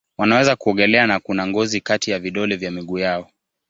Wanaweza kuogelea na kuna ngozi kati ya vidole vya miguu yao.